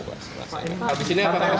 pak empa abis ini apakah pks